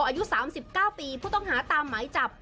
อายุ๓๙ปีผู้ต้องหาตามหมายจับ